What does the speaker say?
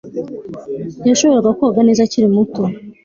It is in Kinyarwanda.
Yashoboraga koga neza akiri muto